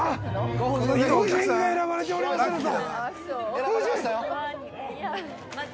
◆ご夫人が選ばれておりまするぞ！